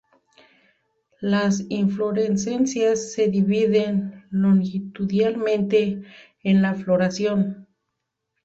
Las inflorescencias se dividen longitudinalmente en la floración.